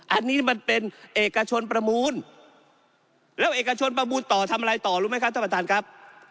อันนี้มันเป็นเอกชนประมูลแล้วเอกชนประมูลต่อทำอะไรต่อรู้ไหมครับท่านประธานครับ